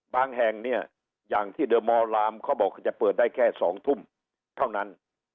แห่งเนี่ยอย่างที่เดอร์มอลลามเขาบอกจะเปิดได้แค่๒ทุ่มเท่านั้น